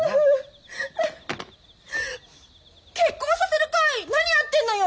結婚させる会何やってんのよ！